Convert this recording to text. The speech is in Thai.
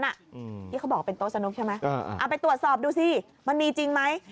ที่เขาบอกเป็นโต๊ะสนุกใช่ไหมเอาไปตรวจสอบดูสิมันมีจริงไหม